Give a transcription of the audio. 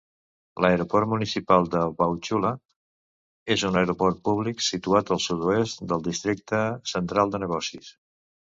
L'aeroport municipal de Wauchula és un aeroport públic situat al sud-oest del districte central de negocis.